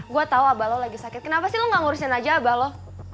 gue tau abah lo lagi sakit kenapa sih lo gak ngurusin aja abah lo